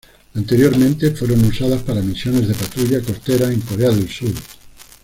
Anteriormente fueron usadas para misiones de patrulla costera en Corea del Sur.